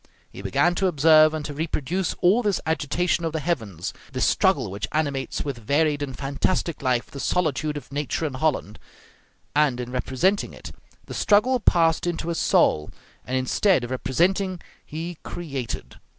He began to observe and to reproduce all this agitation of the heavens, this struggle which animates with varied and fantastic life the solitude of nature in Holland; and in representing it, the struggle passed into his soul, and instead of representing he created.